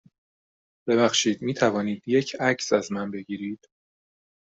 ببخشید، می توانید یه عکس از من بگیرید؟